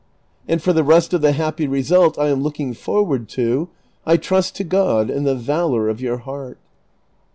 and for the rest of the happy result I am looking forward to, I trust to (jod and the valor of your heart."